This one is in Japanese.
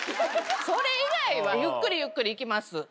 それ以外はゆっくりゆっくりいきます。